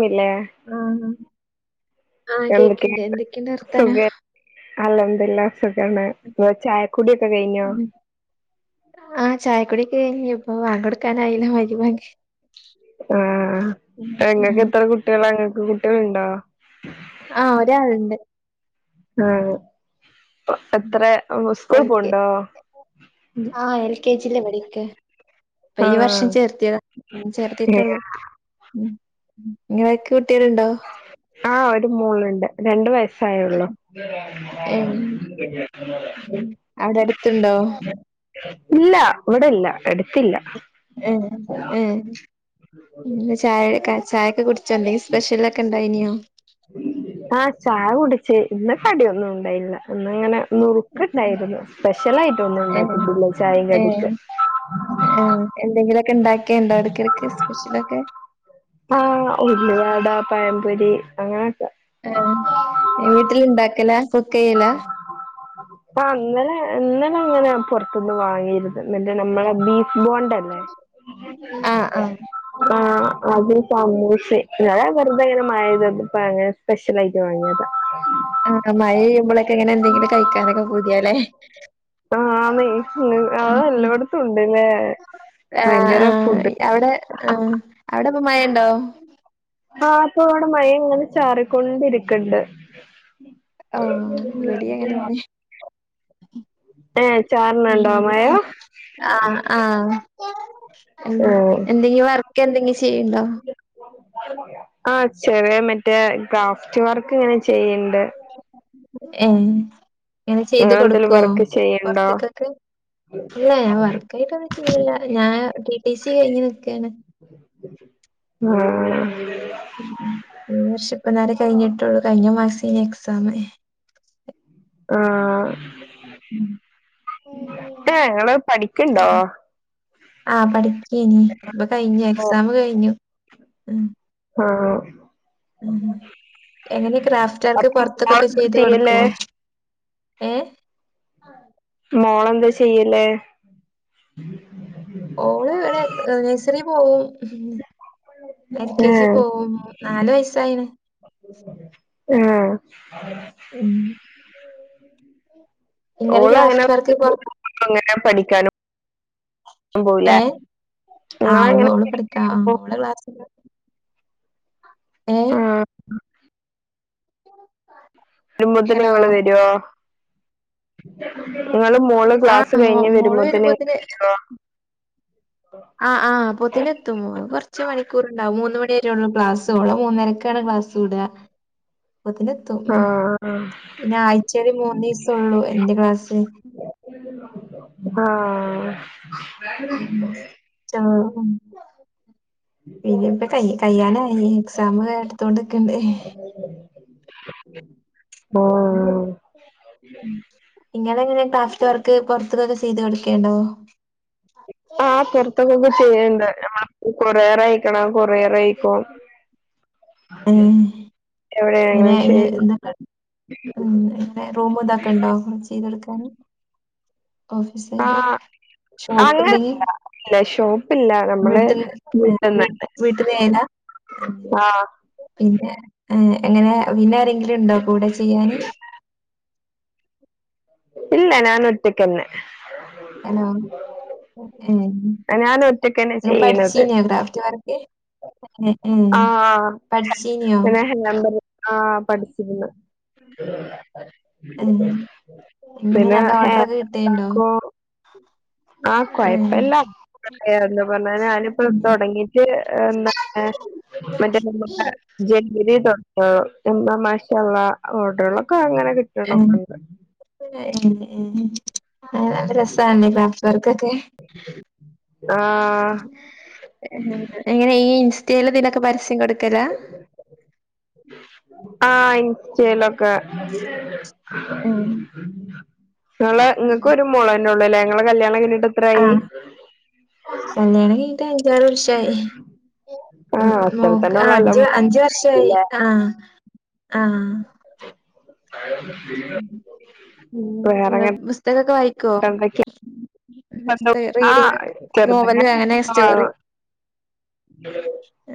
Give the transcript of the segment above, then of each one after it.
മില്ലേ ആ ആ കേക്കിണ്ട് എന്തക്കെണ്ട് വർത്താനം അൽ അംദുല്ല സുഖാണ് ങ്ങള് ചായ ഉം ആ ചായ കുടി യേപ്പോ വാങ്കോട്ക്കാനായില്ലെ മരിബാങ്ക് ആ പെങ്ങക്ക് ഉം. എത്ര കുട്ട്യളാണ്‌ ക് കുട്ട്യൾണ്ടോ ആ ഒരാൾണ്ട് ആ ഉം. എത്ര സ്കൂൾ എൽ കെ പോവ്ണ്ടോ ജി ല്ല പഠിക്ക പ്പ ഈ വർഷം ആഹ് ചേർത്തിയതാ ആ ചേർത്തിട്ടൊള്ളു ഉം [unintelligible] ആ ഒരു മോള്ണ്ട് രണ്ട് വയസ് സയയൊള്ളു ഏ ഉം. ഉം. അവിടെ അടുത്തുണ്ടോ ഇല്ല വിടെല്ല എടുത്തില്ല ഉം.. ഉം.. പിന്നെചായയെടു ക്കാൻ ചായക്ക് നീ, കുടിച്ചോയെന്തെങ്കിലും സ്പെഷ്യലൊക്കെയുണ്ടോ കൈനിയോ ഇന്നുകടിയൊന്നുമുണ്ടായില്ല, ഇന്നിങ്ങനെ നുറുക്കുണ്ടായിരുന്നു. സ്പെഷ്യലായിട്ടൊന്നും ഏ ഉണ്ടാക്കിട്ടില്ല, ചായയും ഏ കടിക്ക് ഏ എന്തെങ്കിലൊക്കെ ഉണ്ടാക്കിയുണ്ടോ ഇടക്കിടക്ക് സ്പെഷ്യലൊക്കെ ആ.. ഉള്ളിവട പഴംപൊരി അങ്ങനെയൊക്കെ ആ വീട്ടിലുണ്ടാക്കല ഒക്കുകില്ല ആ.. ഇന്നലെ, ഇന്നലെ അങ്ങനെ പുറത്തൂന്ന് വാങ്ങി. പിന്നെ, നമ്മടെ ബീഫ് ബോണ്ടല്ലേ ആഹ് ആഹ് ആ.. അതും സമൂസയും ഞാൻ വെറുതെയിങ്ങനെ മഴയത്ത്, അതിപ്പമങ്ങനെ സ്പെഷ്യലായിട്ട് വാങ്ങിയത ആ.. മഴ പെയ്യുമ്പോളൊക്കെയിങ്ങനെയെന്തെങ്കിലും കഴിക്ക കഴിക്കാനൊക്കെ പൂതിയായല്ലേ. ആന്നേ അത് എല്ലായിടത്തും ഉണ്ടല്ലേ ആ.. ഭയങ്കര ഫുഡ് അവിടെ, ആ.. അവിടെയിപ്പം മഴയുണ്ടോ? ആ.. അപ്പോഅവിടെ മഴയെങ്ങനെ ചാറും കൊണ്ടിരിക്കണ്ട് ആഹ്, റെഡിയായേനെന്നേ ഏ ചാറിനുണ്ടോ പിന്നെ മഴ അ.. ആ.. ഏ എന്തെങ്കിലും വർക്കെന്തെങ്കിലും ചെയ്യുന്നുണ്ടോ ആ.. ചെറിയമറ്റേ ഗ്രാഫ്റ്റ് വർക്കിങ്ങനെ ചെ ചെയ്യുണ്ട് ഏ.. ഇങ്ങനെചെയ്തു കൊടുക്കുവോ, വർക്ക് ചെയ്യണ്ടോ പുറത്തേയ്ക്കൊക്കെ, ഇല്ല. ഞാൻ വർക്കായിട്ടൊന്നും ചെയ്യില്ല. ഞാൻ ടി. ടി. സി കഴിഞ്ഞ് നിൽക്കയാണ് ആ.. ഈവർഷമിപ്പ നേരം കഴിഞ്ഞിട്ടുള്ളു. കഴിഞ്ഞ മാസംഎക്സാമായി ആ.. ഞങ്ങള്പഠിക്കുണ്ടോ ആം.. പഠിച്ചു ഇനിയിപ്പകഴിഞ്ഞ എക്സാമ് ഉം ആ.. എനിക്കുക്രാഫ്റ്റ് അപ്പം വർക്ക് മോളെന്താ ചെയ്യല് കൊറേ ഏ മോളെന്താ, ചെയ്യല് ഓളിവിടെ നേഴ്സറി പോകും എൽ. കെ. ഏ ജി യിൽപോകുന്നു നാല് വയസ്സായിന് ആ ആ ഉം ഇങ്ങള് ഓള അങ്ങനെ ക്രാഫ്റ്റ് വർക്ക് പൊറ അങ്ങന പഠിക്കാനോ ഏ ആ ഓ ഇങ്ങളെങ്ങനെ ഓള് പഠിക്കാം ആ ഓ ക്ലാസ് ഏ ഹലോ വരുമ്പോത്ത്ന്ങ്ങള് വരുവാ ആ ക്ലാസ് കഴിഞ്ഞ് മോള വരുമ്പോത്തിന് വരോ ആ ആ പൊത്തിന് എത്തും മോ കൊറച്ച് മണിക്കൂർ ഉണ്ടാവും മൂന്ന് മണ രുള്ളൂ ക്ലാസ് ഓളെ മൂന്നരക്കാണ് ക്ലാസ് വിട മുപ്പത്തിനെത്തും ആ പിന്നെ ആഴ്ചയില് മൂന്ന് ഈസൊള്ളൂ എന്റെ ക്ലാസ്സ് ആ ആ ഉം ആ ഉം ഇനിപ്പ കൈ കയ്യനായി എക്സാം എടുത്തൊണ്ട് ക്ക്ണ്ട് ഓ നിങ്ങളെങ്ങനെ ക്രാഫ്റ്റ് വർക്ക് പുറത്തക്കൊക്കെ ചെയ്ത് കൊടുക്കേണ്ടോ ആ പുറത്തക്കൊക്കെ ചെയ്യണ്ട നമ്മളെ കൊറിയറ് ആയിക്കണാ കൊറിയറ ആയിക്കും ആത ഇങ്ങനെ ഇ ഇത്ണ്ടോ റൂമ ഇതൊക്കെ ഉണ്ടോ ചെയ്തെടുക്കാൻ ഓഫീസ് ആയിട്ട് ആ ഷോപ്പ് ഉണ്ടെങ്കി അങ്ങനല്ല ഇല്ല ഷോപ്പില്ല നമ്മള് വീട്ടൽ വീട്ടിന്ന് തന്നെ വീട്ടൽ ചെയ്യലാ ആഹ് പിന്നെ എ എങ്ങനെ പിന്നെ എന്തെങ്കിലും ഉണ്ടോ കൂടെ ചെയ്യാന് ഇല്ല ഞാൻ ഒറ്റക്കന്നെ ഹലോ ഏഹ് ഞാൻ ഒറ്റക്കന്നെ ഇങ്ങ് ചെയ്യ്ണത് പഠിച്ചീനോ ക്രാഫ്റ്റ് വർക്ക് ഏ ഏ ആഹ് ആഹാ പഠിച്ചീനിയോ പിന്നെ ഹ നമ്പർ ആ പഠിച്ചിര്ന്ന് ഉം [inaudible] എങ്ങനെ പിന്നെ നല്ല ഹേ ഓർഡറൊക്കെ കിട്ടേണ്ടോ കോ ആഹ് ഉം കുഴപ്പില്ല എന്താ പറഞ്ഞാ ഞാനിപ്പ ഉം ഉം തുടങ്ങിട്ട് എന്താണ് [unintelligible] മറ്റേ ജനുവരി തൊ [unintelligible] മാഷാഅല്ലാഹ്‌ ഓർഡർക്കല് ഒക്കെ അങ്ങന [unintelligible] അഹ് രസാണ് [unintelligible] ഓക്കെ ആഹ് [unintelligible] എങ്ങനെ ഈ ഇൻ ഇൻസ്റ്റയിലൊക്കെ പരസ്യം കൊടു [unintelligible] ആ ഇൻ ഇൻസ്റ്റയിലൊക്കെ ഉം ഞങ്ങളെ ഇങ്ങക്കൊരു മോള ഉള്ളൂലേ ഞങ്ങളെ കല്യാണം കഴിഞ്ഞിട് ആഹ് കല്യാണം കൈഞ്ഞിട്ട [unintelligible] വർഷായി ഈ മ് ആഹ് അത്ര മോൾക് തന്നെ ഉള്ളല്ലോ അഞ്ച് അഞ്ച വർഷായി മോളല്ലേ ആഹ് ആഹ് പിന്നെങ്ങള് പുസ്തകൊക്കെ വായി [unintelligible] ആ റീഡിംഗ് ഒക്കെ നോവല് ചെറ്തങ്ങനെ അങ്ങനെ സ്റ്റോറി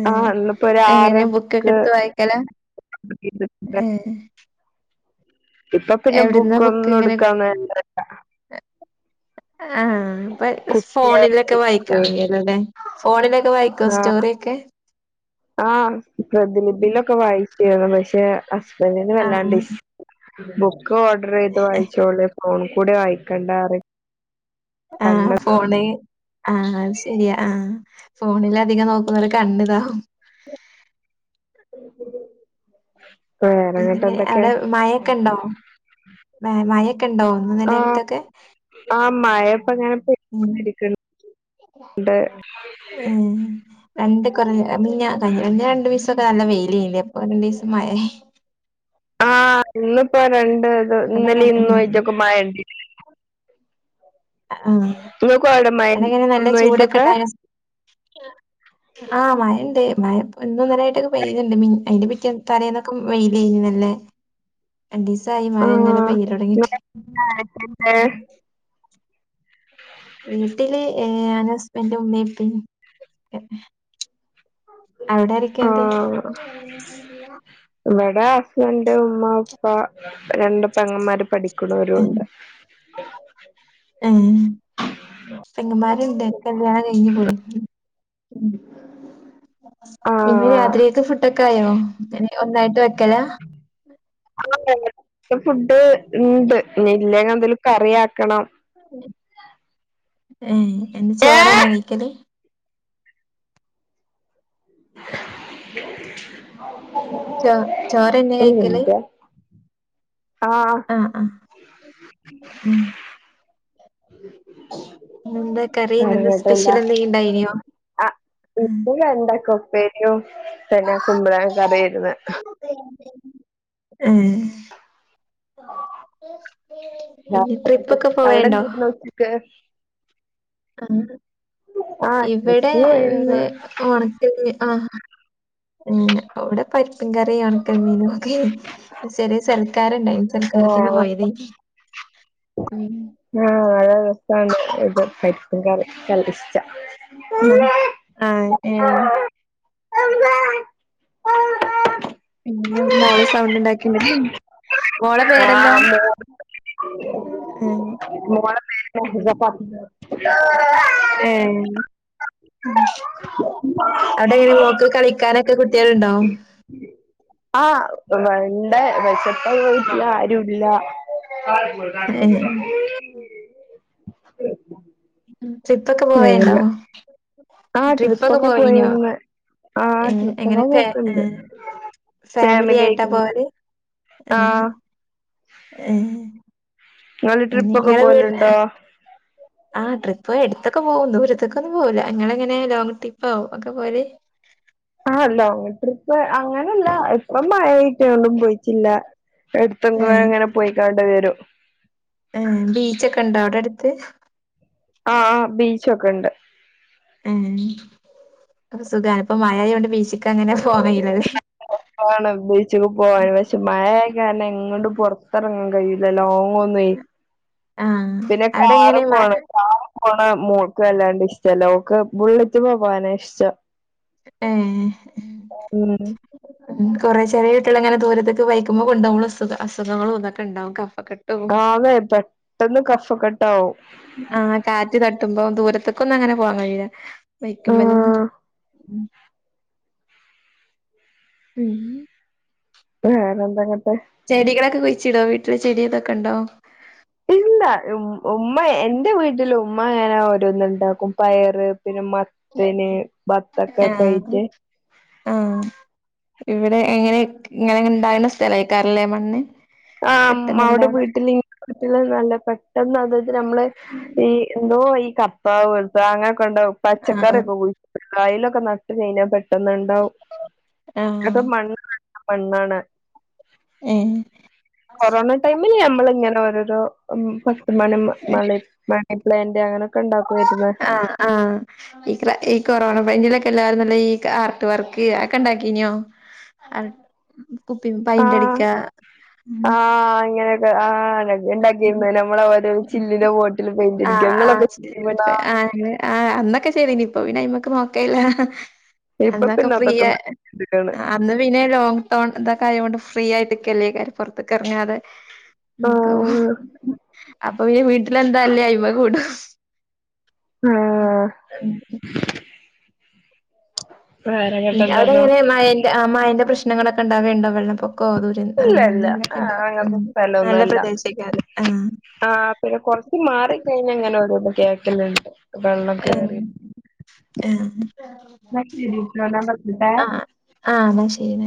ഏഹ് ആഹ് ഇന്ന്പ്പോ ഒരാറ് എങ്ങനെ ബുക്കൊക്കെ ബുക്ക് എടുത്ത് വായിക്കലാ? ഏഹ് [unintelligible] ഇപ്പൊ പിന്നെ എവിടുന്നാ ബുക്ക് ബുക്കൊന്നും ഇങ്ങനെ ഇട്ക്കാൻ നേരല്ല. ആഹ് ഇപ്പൊ കുട്ടിയായിട്ട് ഫോണിലൊക്കെ വായിക്കാൻ കയ്യൊലോ ലേ ഫോണില് ക്കെ വായിക്കോ ആഹ് സ്റ്റോറിയെക്കെ? ആഹ് പ്രതിലിപീബിലൊക്ക വായി ക്കേന്നു. പശ്ശേ, ഹസ്ബൻഡിന് വല്ലാണ്ട് ആഹ് ഇഷ് ബു കോഡ്രെയ്ത് വായിച്ചോള് ഫോൺ കൂടെ വായിക്കണ്ടാറിം ആഹ് ഫോണ് ആഹ് ശെരിയാ ആഹ് ഫോണില് അധികം നോക്കുന്നോരെ കണ്ണ്താവും [inaudible] വേറെങ്ങട്ട് പിന്നെങ്ങനെ എന്തൊക്കെ അടെ മഴൊക്കെ ഇണ്ടോ മഴൊക്കെ ഇണ്ടാവും [unintelligible] ആഹ് ആഹ് മഴപ്പങ്ങനെ ഉം പെയ്തോണ്ടിരിക്ക്ണ്ട് ഉം രണ്ട് കണ്ണ് [unintelligible] ഇപ്പദാ നല്ല വെയ്ലെനിലെ ഇപ്പം രണ്ടിസം മയെ ആഹ് ഇന്ന് പ്പൊ രണ്ട് ഇത് അവിടെങ്ങനെ ഇന്നലെ ഇന്നു ആയ്ട്ടൊക്കെ മഴണ്ട് അഹ് ആഹ് ഇങ്ങക്കും അവിടെ മഴല്ലേ അതങ്ങനെ നല്ല ഇന്നും ചൂടൊക്കെ ആയിട്ടൊക്കെ ഇണ്ടായ്നോ ആഹ് മഴണ്ട് മഴ ഇന്നും ഇന്നലെ ആയിട്ട് പെയ്യ്ണ്ട് മീൻ അയ്ന്റെ പിറ്റേന്നും തലേന്നൊക്കെ വെയ്ലെനി നല്ലെ രണ്ടിസായി മഴ ഇങ്ങനെ ആഹ് പെയ്യല് ഒടങ്ങിട്ട് ഇങ്ങളെ ആരൊക്കെണ്ട് ഉം വീട്ടില് എ ഏ ഞാനും, ഹസ്ബൻറും, ഉമ്മയും, ഉപ്പയും [unintelligible] അവിടാരിക്കണ്ട്? ആഹ് ടെ ഹസ്ബൻ [unintelligible] ഉമ്മ, ഉപ്പാ. രണ്ട് പെങ്ങമാര്. ഉം ഉം പെങ്ങമാര്. ഇണ്ട്. കല്യാണം കഴിഞ്ഞ പോയി. ഉം. പിന്നെ ആഹ് രാത്രിയൊക്കെ ഫുഡൊക്കെ ആയോ, പിന്നെ ഒന്നായിട്ട് വെക്കല? ഫുഡ് ഇണ്ട് ഇ ഇല്ലെങ്കി എന്തേലും കറിയാക്കണം. ഏയ്. എന്നും ചോറ്ന്നാ ഏഹ് കഴിക്കല്? [inaudible] ചോ ചോറന്നെ ഒരു കഴിക്കല്. മിനിറ്റെ ആഹ് ആഹ് ഉം ഉ [inaudible] എന്താ കറിന്താ സ്പെഷ്യൽ എന്തണ്ടായിനോ പരിപ്പും തന്നെ കുമ്പള കറിരുന്ന ഉം പിന്നെ ട്രിപ്പൊക്കെ അവിടെ പോവേണ്ടോ എന്തായിരുന്നു ഉച്ചക്ക് ആഹ് ആ ഇവിടെ ട്രിപ്പ് ഇനി പോയിരുന്നു ഓണത്തിന് ആഹ് ഉം ഒവിടെ പരിപ്പും കറിയും ഉണക്കമീനൊക്കെ ചെറിയ സ്ഥല കറി ആഹ് അതാ ഉം [unintelligible] പരിക്കും കറി നല്ല്യഇഷ്ട ആഹ് ആഹ് ഏഹ് [unintelligible] പിന്നെ മോള് സൗണ്ട് ഉണ്ടാക്കുന്നത് ആഹ് മോള് മോള് [unintelligible] [unintelligible] ഏഹ് അവിടെ എങ്ങനെ മോൾക്ക് കളിക്കാനൊക്കെ കുട്ടികൾ ഉണ്ടോ ആഹ് വണ്ട് വിശപ്പായിപോയി ഇല്ല ആരുല്ല ഏഹ് [unintelligible] ഉം ഉം ട്രിപ്പൊക്കെ പോയയുണ്ടോ ആ ട്രിപ്പൊക്കെ പോയീനോ പോയിന്ന് ആ ഏ ട്രിപ്പൊക്കെ എങ്ങനെ പോക്ക്ണ്ട് ഏഹ് ഫാമിലി ആയിട്ടാ പോയത് ഏഹ് ആഹ് ഏഹ് നിങ്ങള് ഇനി ട്രിപ്പൊക്കെ ഇങ്ങളെ വീട് പോകലുണ്ടോ ഇത്ര അടുത്തൊക്കെ പോകും ദൂരത്തൊക്കെ ഒന്നും പോവില്ല നിങ്ങള് എങ്ങനെ ലോങ് ട്രിപ്പ് ഒക്കെ പോകല് ലോങ്ങ് ട്രിപ്പ് അങ്ങനെയല്ല ഇപ്പം മഴ ആയിട്ട് ടെയുംപോയി ഇല്ല അടുത്തെങ്ങാനും അങ്ങനെ പോയി കാണ്ട് വരും ഉം ബീച്ചൊക്കെ ഉണ്ടോ അവിടെ അടുത്ത് ആഹ് ആഹ് ബീച്ചൊക്കെ ഉണ്ട് ഉം സുഖാണ് ഇപ്പം മഴയായകൊണ്ട് ബീച്ച് ക്ക് ക്കങ്ങനെ പോകാൻ കഴിയില്ലല്ലേ ഉച്ചക്ക് പോകാരുന്ന് പക്ഷേ മഴയായി ക്കാരണെ എങ്ങോട്ട് പുറത്തിറങ്ങാൻ കഴിയില്ലല്ലോ പോകുന്നേയ് ആഹ് പിന്നെ അവിടെ എങ്ങനെ കാറിൽ മ പോണം കാറ് ആ മോൾക്ക് അല്ലാണ്ട് ഇഷ്ടമല്ല ഓൾക്ക് ബുള്ളറ്റിൻമേൽ പോകാനാ ഇഷ്ടം ഏ ഉം ഉം കുറെ ചെറിയത്തുള്ള ഇങ്ങനെ ദൂരത്തൊക്ക ബൈക്കുമ്മേ കൊ ണ്ടോമ്പളെ ചെറിയ അസുഖങ്ങളു വന്നിട്ടുണ്ടാവും ട്ടോ ആന്നേ പെട്ടെന്ന് കഫക്കെട്ട് തൗ ആ കാറ്റ് തട്ടുമ്പോ ദൂരത്ത് അക്കൊന്നും അങ്ങനെ പോവാൻ കയില്ല ബൈക്കുമ്മേലും ആഹ് ഉം വേറെന്തകാൻ ചെടി കളൊക്കെ കുയ് ചിടോ വീട്ടിലെ ചെടിയൊക്കെ കണ്ടോ ഇല്ല ഉ ഉമ്മ എന്റെ വീട്ടിൽ ഉമ്മ അങ്ങനെ ഓരോന്നുണ്ടാക്കും പയറ് പിന്നെ മത്തനെ ബത്തൊക്കെ കയി ആഹ് ച്ചേ ആഹ് ഇവിടെ എങ്ങനെ ഇങ്ങനിങ്ങണുണ്ടാവുന്ന സ്ഥലേക്കെ ലേമണ്ണി ആ മവിടെ വീട്ടിലി നല്ല പെട്ടെന്ന് അതത് നമ്മള് ഈ എന്തോ ആയി കർത്താവു വെളുത്തതാങ്ങേ കണ്ട ആഹ് പച്ചക്കറിയൊക്കെ കോയി കായലൊക്കെ നട്ടു കയിഞ്ഞാ പെട്ട് ട്ടെന്നുണ്ടാവും അതെ ആഹ് മണ്ണ് മണ്ണാണ് ഏ കോറോണാ ടൈമില്ലാം നമ്മളിങ്ങനോരോരോ മന മള [unintelligible] പ്ലെന്റെ അങ്ങനൊക്കെ ഇണ്ടാകും ആ ആ ഇക്ര ഈ കൊറോണ ഭയങ്കരെ എല്ലാവരും നല്ല ഈ ആർട്ട് വർക്ക് ചെയ്യാ ക്കെണ്ടൊണ്ടാക്കിനോ ആ ആ ഇങ്ങനൊക്കെ ആ ഉണ്ടാക്കി ഉണ്ടാക്കിരുന്ന നമ്മളാ ഓരോ ചില്ലിലോ ബോട്ടിലോ പൈന്റടിക്ക ഇങ്ങളൊക്കെ ആ ആ അന്നൊക്കെ ശരിനിപ്പൊ വിനായ്ക്ക് നോക്കീല ഇപ്പൊ അന്നൊക്കെ പിന്നെ അതൊക്കെ ഫ്രീയാ നിർത്തിക്കാണ് അന്നു പിന്നെ ലോങ് ടേൺ ഇതൊക്കെ ആയോ ണ്ട് ഫ്രീ ആയിട്ട് ഇല്ലെക്കാരെ പൊറത്തൊക്കെ എ റങ്ങാതെ ഇക്കാവ ആഹ് അപ്പൊ ഈ വീട്ടിലെന്താല്ലേ അയ്മ കൂടും ആഹ ഉം എന്താന്നോ അവിടെങ്ങനെ മയന്റെ മയന്റെ പ്രശ് നങ്ങളൊക്കെ ഉണ്ടാവേണ്ടൊ വെള്ളപ്പൊ ഇല്ല ഇല്ല ആഹ അങ്ങനത്തെ സ്ഥലെന്നു നല്ല അല്ല പ്രദേശേക്കാരം. ആഹ്. ആ പിന്നെ കൊറച്ച് മാറിക്കഴിഞ്ഞ അങ്ങനെ ഒരു കേക്കുലുണ്ട് ആ ആ ആ [unintelligible]